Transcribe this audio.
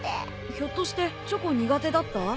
ひょっとしてチョコ苦手だった？